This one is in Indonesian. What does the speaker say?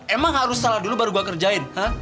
emang harus salah dulu baru gua kerjain ha